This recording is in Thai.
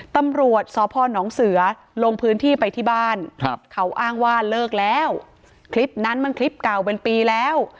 ตำรวจสพนเสือลงพื้นที่ไปที่บ้านเขาอ้างว่าเลิกแล้วคลิปนั้นมันคลิปเก่าเป็นปีแล้ว